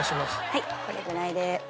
はいこれぐらいで。